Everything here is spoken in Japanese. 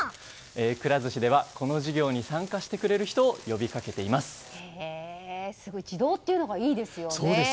くら寿司ではこの事業に参加してくれる人を自動というのがいいですね。